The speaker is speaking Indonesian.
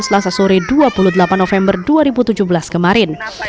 selasa sore dua puluh delapan november dua ribu tujuh belas kemarin